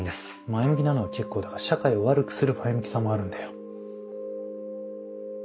前向きなのは結構だが社会を悪くする前向きさもあるんだよ。